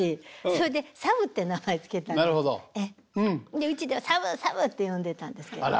でうちでは「さぶ！さぶ！」って呼んでたんですけどね。